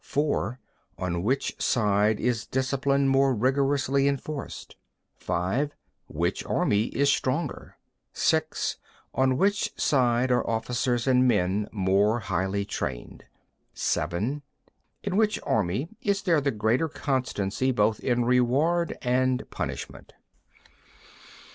(4) On which side is discipline most rigorously enforced? (5) Which army is the stronger? (6) On which side are officers and men more highly trained? (7) In which army is there the greater constancy both in reward and punishment?